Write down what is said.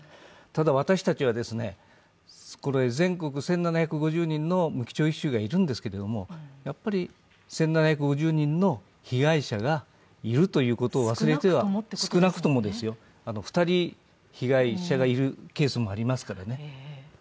ただ、私たちは、全国１７５０人の無期懲役囚がいるんですけれどもやっぱり１７５０人の被害者がいるということを忘れては、少なくともですよ、２人被害者がいるケースもありますからね。